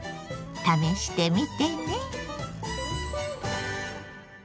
試してみてね。